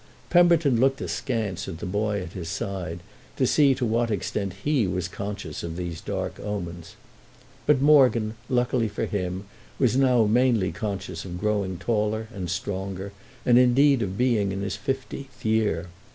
Pemberton looked askance at the boy at his side, to see to what extent he was conscious of these dark omens. But Morgan, luckily for him, was now mainly conscious of growing taller and stronger and indeed of being in his fifteenth year.